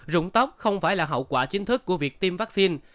rụng tóc không phải là hậu quả chính thức của việc tiêm vaccine